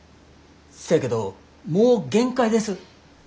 そやけどもう限界です。